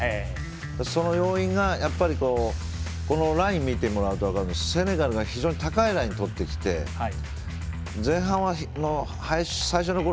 その要因が、ライン見てもらうと分かるんですけどセネガル非常に高いラインを取ってきて前半の最初のころ